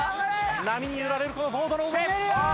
波に揺られるこのボードの上。